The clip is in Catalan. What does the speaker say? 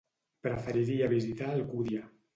Preferiria visitar Alcúdia.